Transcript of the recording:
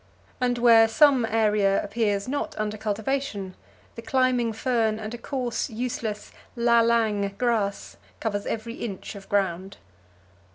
And where some area appears not under cultivation, the climbing fern and a coarse, useless "lalang" grass covers every inch of ground.